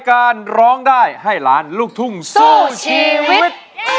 การร้องได้ให้ล้านลูกทุ่งสู้ชีวิต